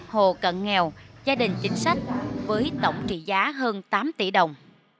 hộ cận nghèo gia đình chính sách với tổng trị giá hơn tám tỷ đồng